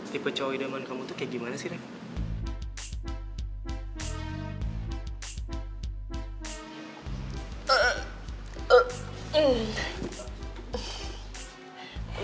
tipe cowok idaman kamu tuh kayak gimana sih rev